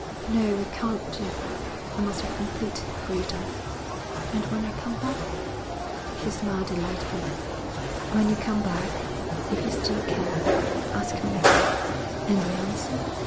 'No, I can't do that. I must have complete freedom.' 'And when I come back?' She smiled delightfully. 'When you come back, if you still care, ask me again.' 'And the answer?'